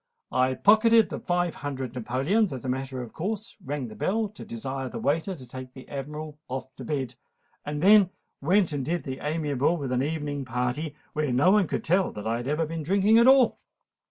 I pocketed the five hundred napoleons, as a matter of course—rang the bell to desire the waiter to take the Admiral off to bed—and then went and did the amiable at an evening party, where no one could tell that I had ever been drinking at all."